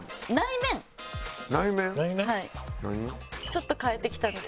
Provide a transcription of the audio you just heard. ちょっと変えてきたんで。